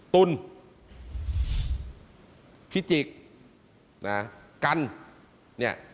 ตุลพิจิกนะกันเนี่ย